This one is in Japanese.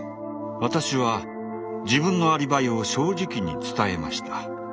私は自分のアリバイを正直に伝えました。